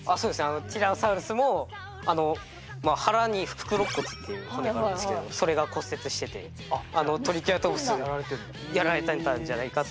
ティラノサウルスも腹に腹肋骨っていう骨があるんですけどもそれが骨折しててトリケラトプスにやられてたんじゃないかって。